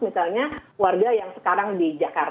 misalnya warga yang sekarang di jakarta